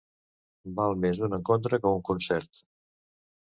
Val més un encontre que un concert.